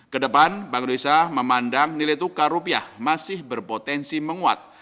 kedepan bank indonesia memandang nilai tukar rupiah masih berpotensi menguat